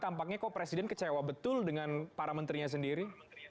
tampaknya kok presiden kecewa betul dengan para menterinya sendiri